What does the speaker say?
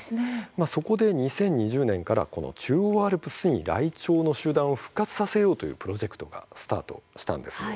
そこで２０２０年から中央アルプスにライチョウの集団を復活させようというプロジェクトがスタートしたんです。